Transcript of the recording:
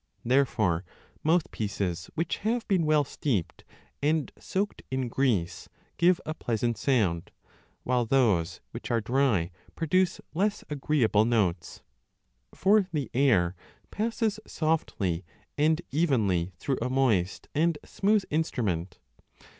Therefore mouthpieces which have been well steeped and soaked in grease give a pleasant sound, while those which are dry produce less agreeable notes. For the air passes softly and evenly through a moist and smooth instrument.